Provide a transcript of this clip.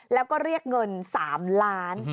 แล้วก็เรียกเงิน๓ล้าน